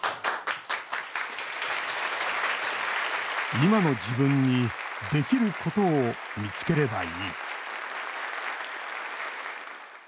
今の自分にできることを見つければいい